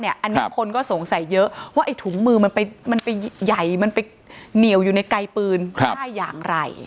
อันนี้คนก็สงสัยเยอะว่าไอ้ถุงมือมันไปใหญ่มันไปเหนียวอยู่ในไกลปืนได้อย่างไร